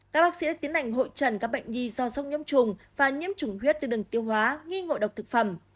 các bác sĩ tiến hành hội trần các bệnh nhi do sốc nhiễm trùng và nhiễm trùng huyết từ đường tiêu hóa nghi ngộ độc thực phẩm